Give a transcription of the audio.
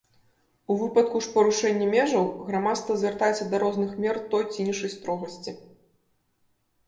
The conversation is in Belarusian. У выпадку ж парушэнні межаў грамадства звяртаецца да розных мер той ці іншай строгасці.